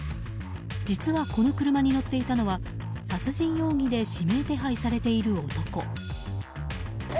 実は、この車に乗っていたのは殺人容疑で指名手配されている男。